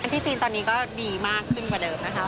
ที่จีนตอนนี้ก็ดีมากขึ้นกว่าเดิมนะคะ